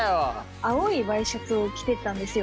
青いワイシャツを着てったんですよ